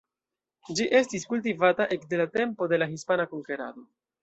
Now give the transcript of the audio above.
Ĝi estis kultivata ekde la tempo de la hispana konkerado.